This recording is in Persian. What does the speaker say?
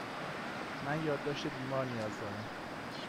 من یادداشت بیمار نیاز دارم.